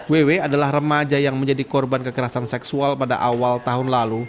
ww adalah remaja yang menjadi korban kekerasan seksual pada awal tahun lalu